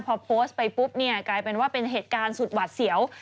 พอโพสต์ไปปุ๊บเนี่ยกลายเป็นว่าเป็นเหตุการณ์สุดหวัดเสียว